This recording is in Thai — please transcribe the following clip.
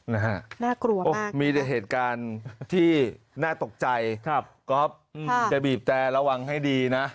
นะฮะน่ากลัวมีแต่เหตุการณ์ที่น่าตกใจครับก๊อฟจะบีบแต่ระวังให้ดีนะ